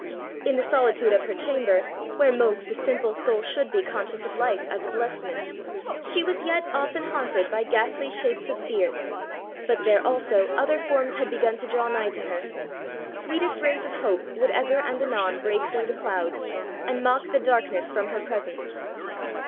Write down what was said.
In the solitude of her chamber, where most the simple soul should be conscious of life as a blessedness, she was yet often haunted by ghastly shapes of fear; but there also other forms had begun to draw nigh to her; sweetest rays of hope would ever and anon break through the clouds, and mock the darkness from her presence.